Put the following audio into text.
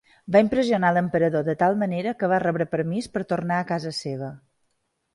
Va impressionar l'emperador de tal manera que va rebre permís per tornar a casa seva.